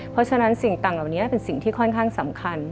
เพราะฉะนั้นสิ่งต่างเหล่านี้เป็นสิ่งที่ค่อนข้างสำคัญ